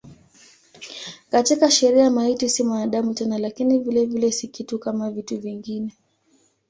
Katika sheria maiti si mwanadamu tena lakini vilevile si kitu kama vitu vingine.